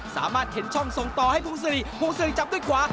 สามารถเข็นช่องส่งต่อให้พงศรีพงศรีจับด้วยขวา